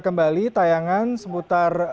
kembali tayangan seputar